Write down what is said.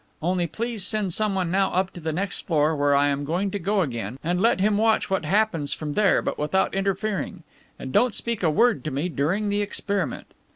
Only please send someone now up to the next floor, where I am going to go again, and let him watch what happens from there, but without interfering. And don't speak a word to me during the experiment."